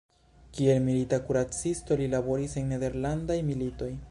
Kiel milita kuracisto li laboris en nederlandaj militoj.